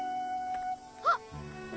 あっ！